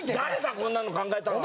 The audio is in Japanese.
こんなの考えたのは」。